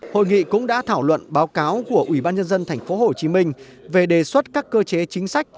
hội nghị cũng đã thảo luận báo cáo của ủy ban nhân dân tp hcm về đề xuất các cơ chế chính sách